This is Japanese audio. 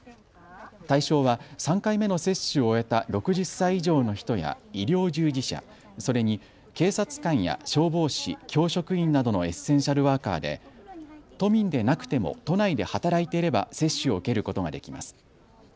対象は３回目の接種を終えた６０歳以上の人や医療従事者、それに警察官や消防士、教職員などのエッセンシャルワーカーで都民でなくても都内で働いていれば接種を受けることができます。